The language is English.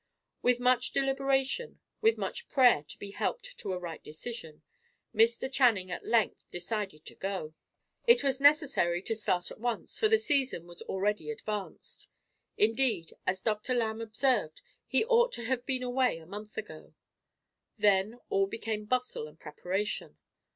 With much deliberation, with much prayer to be helped to a right decision, Mr. Channing at length decided to go. It was necessary to start at once, for the season was already advanced; indeed, as Dr. Lamb observed, he ought to have been away a month ago. Then all became bustle and preparation.